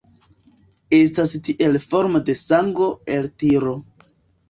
Estas tiel formo de sango-eltiro.